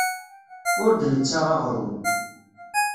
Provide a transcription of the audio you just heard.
Ur d-nessaɣ aɣrum.